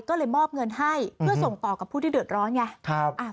ก็เลยมอบเงินให้เพื่อส่งต่อกับผู้ที่เดือดร้อนไง